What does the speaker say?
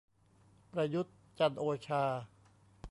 ประยุทธ์ จันทร์โอชา